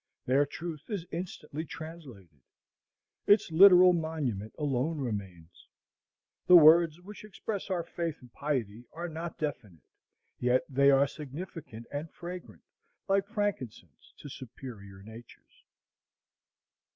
Their truth is instantly translated; its literal monument alone remains. The words which express our faith and piety are not definite; yet they are significant and fragrant like frankincense to superior natures.